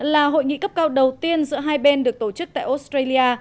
là hội nghị cấp cao đầu tiên giữa hai bên được tổ chức tại australia